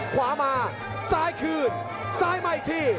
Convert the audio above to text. ขวามาซ้ายคืนซ้ายมาอีกที